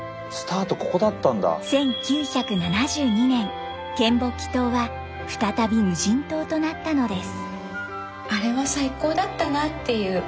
１９７２年嶮暮帰島は再び無人島となったのです。